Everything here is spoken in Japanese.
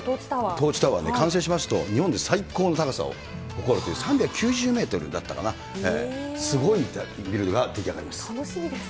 トーチタワーね、完成しますと、日本で最高の高さを誇るという、３９０メートルだったかな、楽しみです。